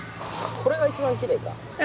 これが一番きれい。